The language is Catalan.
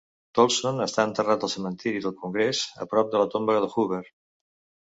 Tolson està enterrat al cementeri del Congrés, a prop de la tomba de Hoover.